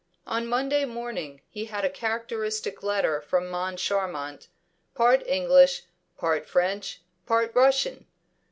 On Monday morning he had a characteristic letter from Moncharmont, part English, part French, part Russian.